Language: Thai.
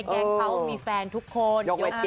แจ๊งค่ะ